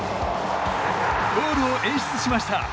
ゴールを演出しました。